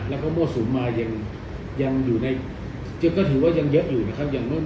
แล้วก็มั่วสุมมายังอยู่ในก็ถือว่ายังเยอะอยู่นะครับ